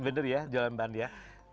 bener ya jualan ban ya